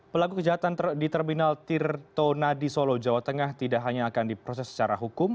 pelaku kejahatan di terminal tirto nadi solo jawa tengah tidak hanya akan diproses secara hukum